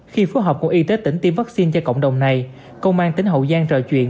khi phối hợp của y tế tỉnh tiêm vaccine cho cộng đồng này công an tỉnh hậu giang trò chuyện